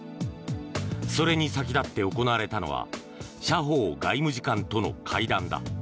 それに先立って行われたのは謝鋒外務次官との会談だ。